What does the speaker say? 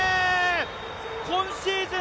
今シーズン